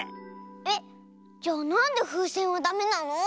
えっじゃあなんでふうせんはダメなの？